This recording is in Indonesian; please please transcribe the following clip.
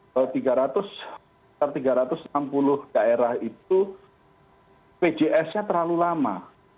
sekitar tiga ratus enam puluh daerah itu pjs nya terlalu lama